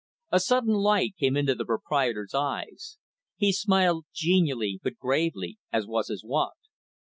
A sudden light came into the proprietor's eyes. He smiled genially, but gravely, as was his wont.